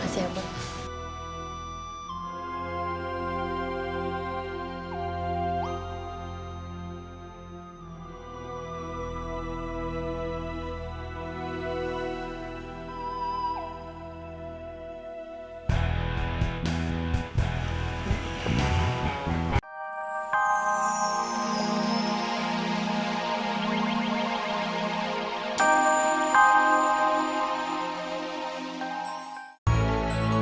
terima kasih abu